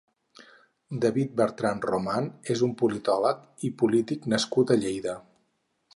David Bertran Román és un politòleg i polític nascut a Lleida.